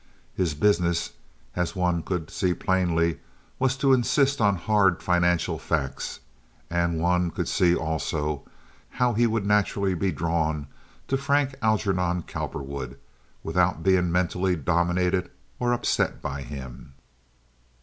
His business, as one could see plainly, was to insist on hard financial facts, and one could see also how he would naturally be drawn to Frank Algernon Cowperwood without being mentally dominated or upset by him.